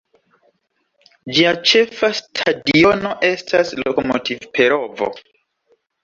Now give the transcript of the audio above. Ĝia ĉefa stadiono estas Lokomotiv-Perovo.